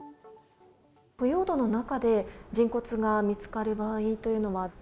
腐葉土の中で人骨が見つかる場合というのは。